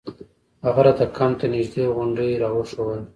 هغه راته کمپ ته نژدې غونډۍ راوښووله.